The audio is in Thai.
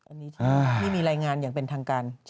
อันนี้ที่ไม่มีรายงานอย่างเป็นทางการ